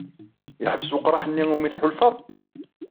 Yeḥbes weqraḥ-nni umi tḥulfaḍ?